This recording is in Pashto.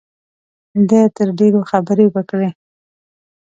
ده تر ډېرو خبرې وکړې.